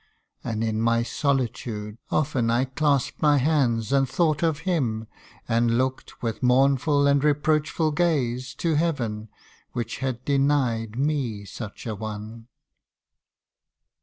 And in my solitude, Often I clasped my hands and thought of him, And looked with mournful and reproachful gaze To heaven, which had denied me such a one.